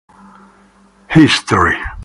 History.